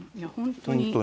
本当に。